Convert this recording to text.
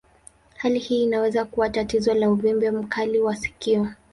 Hali hii inaweza kuwa tatizo la uvimbe mkali wa sikio.